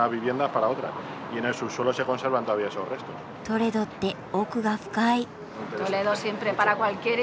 トレドって奥が深い。